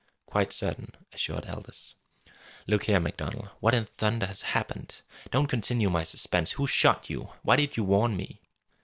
"Quite certain," assured Aldous. "Look here, MacDonald what in thunder has happened? Don't continue my suspense! Who shot you? Why did you warn me?"